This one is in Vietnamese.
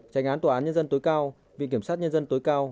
tranh án tòa án nhân dân tối cao viện kiểm sát nhân dân tối cao